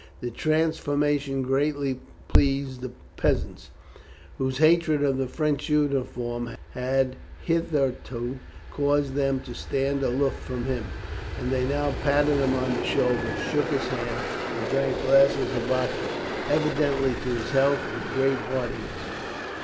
The transformation greatly pleased the peasants, whose hatred of the French uniform had hitherto caused them to stand aloof from him, and they now patted him on the shoulder, shook his hand, and drank glasses of vodka, evidently to his health, with great heartiness.